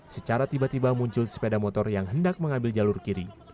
secara tiba tiba muncul sepeda motor yang hendak mengambil jalur kiri